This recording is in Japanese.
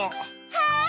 はい！